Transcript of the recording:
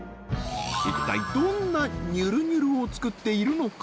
一体どんなにゅるにゅるを作っているのか？